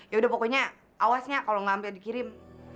yaudah pokoknya awasnya kalo gak hampir dikirim